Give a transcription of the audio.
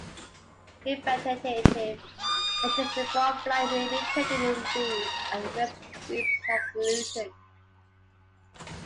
Preventative measures before flying may be taken in these at-risk groups as a solution.